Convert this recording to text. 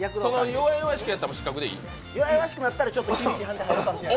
弱々しくなったら判定入るかもしれない。